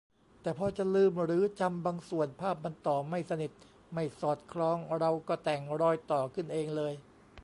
แต่พอจะลืมหรือจำบางส่วน ภาพมันต่อไม่สนิทไม่สอดคล้อง เราก็แต่ง"รอยต่อ"ขึ้นเองเลย